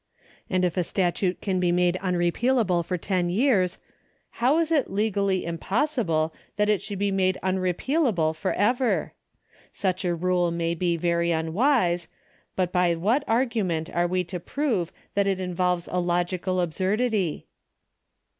And if a statute can be made unrepealable for ten years, how is it legally imjiossihle that it should be made unrepealable for ever ? Such a rule may be very unwise, but by what argument are we to prove that it involves a logical absurdity